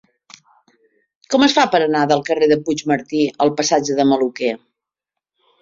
Com es fa per anar del carrer de Puigmartí al passatge de Maluquer?